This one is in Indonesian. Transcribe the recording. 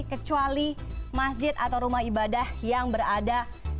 kecuali masjid atau rumah ibadah yang berada di zona raya